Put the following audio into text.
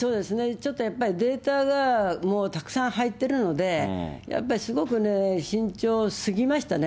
ちょっとやっぱり、データがもうたくさん入ってるので、やっぱりすごくね、慎重すぎましたね。